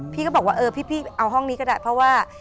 พี่ก็บอกว่าเออพี่เอาห้องนี้ก็ได้เพราะว่า